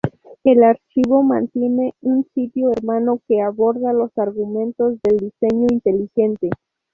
El archivo mantiene un sitio hermano que aborda los argumentos del Diseño Inteligente.